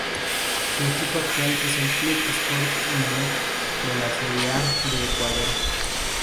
Su equipo actual es el Club Sport Emelec de la Serie A de Ecuador.